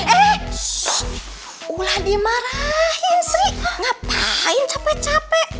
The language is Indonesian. eh shhh udah dimarahin sri ngapain capek capek